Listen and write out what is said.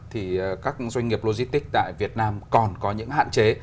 thì các doanh nghiệp lôi stick tại việt nam còn có những hạn chế